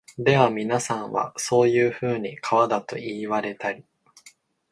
ではみなさんは、そういうふうに川だと云いわれたり、